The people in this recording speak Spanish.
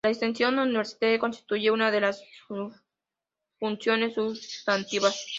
La extensión universitaria constituye una de sus funciones sustantivas.